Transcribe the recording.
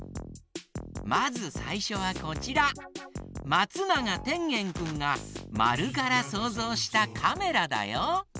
まつながてんげんくんが「まる」からそうぞうしたカメラだよ。